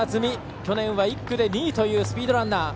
去年は１区で２位というスピードランナー。